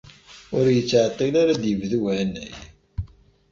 Ur yettɛeṭṭil ara ad yebdu uhanay.